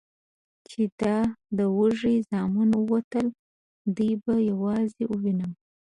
چې دا د وږي زامن ووتل، دی به یوازې ووینم؟